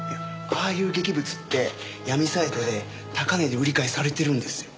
ああいう劇物って闇サイトで高値で売り買いされてるんですよ。